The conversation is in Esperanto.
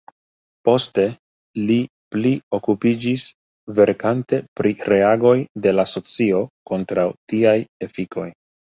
Poste li pli okupiĝis verkante pri reagoj de la socio kontraŭ tiaj efikoj.